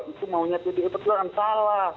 itu maunya jadi itu